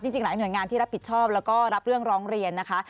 จริงหลายหน่วยงานที่รับผิดชอบแล้วก็รับเรื่องร้องเรียนนะคะ